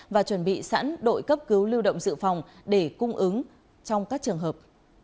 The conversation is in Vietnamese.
và chuẩn bị sẵn đội cấp cứu lưu động dự phòng để cung ứng trong các trường hợp